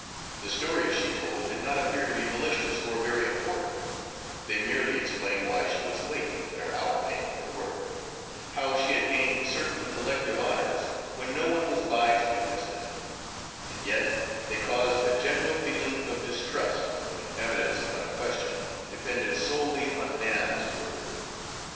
The stories she told did not appear to be malicious or very important, they merely explained why she was late when her hour came for work, how she had gained certain elective honors when no one was by to witness them, and yet they caused a general feeling of distrust when evidence upon a question depended solely on Nan's word.